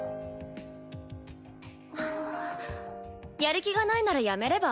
やる気がないなら辞めれば？